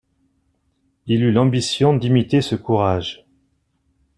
Il eut l'ambition d'imiter ce courage.